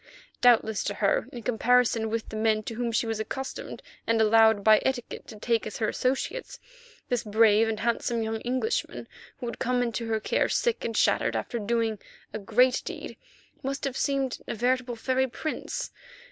Doubtless to her, in comparison with the men to whom she was accustomed and allowed by etiquette to take as her associates, this brave and handsome young Englishman, who had come into her care sick and shattered after the doing of a great deed, must have seemed a veritable fairy prince.